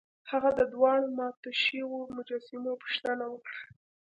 هغه د دواړو ماتو شویو مجسمو پوښتنه وکړه.